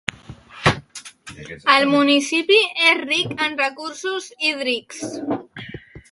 El municipi és ric en recursos hídrics.